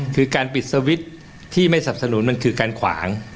คือการปิดสวิตช์ที่ไม่สับสนุนมันคือการขวาง